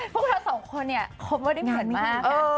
พวกเราสองคนคอปเวิร์ดผู้หญิงมาก